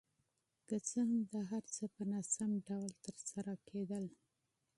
که څه هم دا هر څه په ناسم ډول ترسره کېدل.